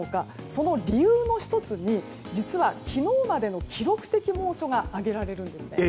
その理由の１つに実は昨日までの記録的猛暑が挙げられるんです。